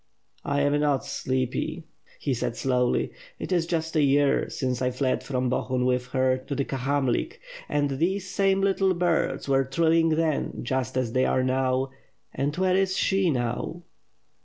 "I am not sleepy," he said slowly. "It is just a year since I fled from Bohun with her to the Kahamlik and these same little birds were trilling then just as they are now; and where is she now?"